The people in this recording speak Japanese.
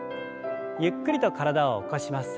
ゆっくりと体を起こします。